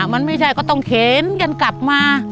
มันไม่ใช่ก็ต้องเข็นกันกลับมา